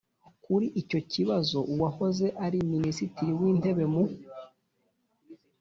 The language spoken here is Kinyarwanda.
kuri icyo kibazo, uwahoze ari minisitiri w'intebe, mu